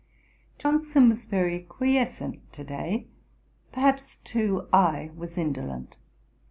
Johnson was very quiescent to day. Perhaps too I was indolent.